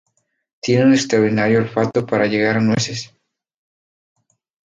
Tienen un extraordinario olfato para llegar a nueces.